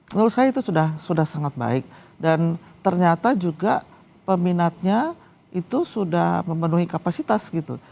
menurut saya itu sudah sangat baik dan ternyata juga peminatnya itu sudah memenuhi kapasitas gitu